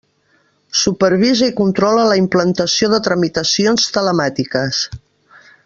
Supervisa i controla la implantació de tramitacions telemàtiques.